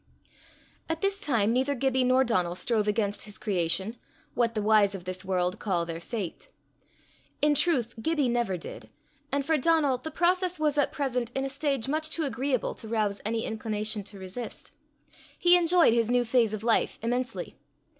At this time neither Gibbie nor Donal strove against his creation what the wise of this world call their fate. In truth Gibbie never did; and for Donal, the process was at present in a stage much too agreeable to rouse any inclination to resist. He enjoyed his new phase of life immensely.